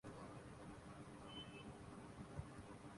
اور یہ سلسلہ ہفتوں